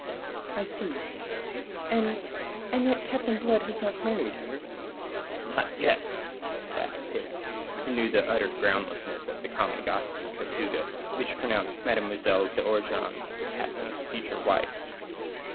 "I see. And... and yet Captain Blood has not married her?" "Not yet," laughed Pitt, who knew the utter groundlessness of the common gossip in Tortuga which pronounced Mdlle. d'Ogeron the Captain's future wife.